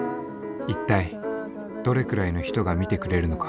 一体どれくらいの人が見てくれるのか。